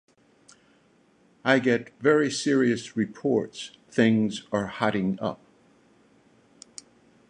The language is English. I get very serious reports things are hotting up.